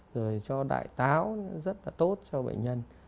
rồi cho đại táo rất là tốt cho bệnh nhân